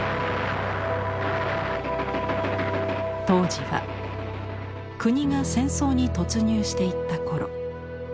当時は国が戦争に突入していった頃。